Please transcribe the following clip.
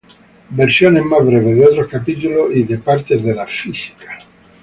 Versiones más breves de otros capítulos y de partes de la "Física".